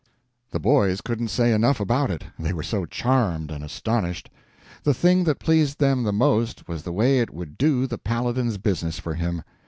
The boys couldn't say enough about it, they were so charmed and astonished. The thing that pleased them the most was the way it would do the Paladin's business for him.